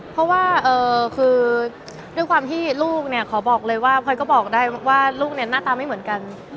เพราะว่าคือด้วยความที่ลูกเนี่ยขอบอกเลยว่าพลอยก็บอกได้ว่าลูกเนี่ยหน้าตาไม่เหมือนกัน